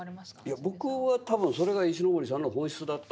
いや僕は多分それが石森さんの本質だったんだと思います。